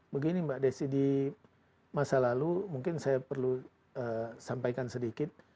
begini mbak desi di masa lalu mungkin saya perlu sampaikan sedikit